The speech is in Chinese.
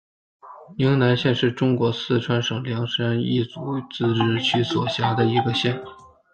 宁南县是中国四川省凉山彝族自治州所辖的一个县。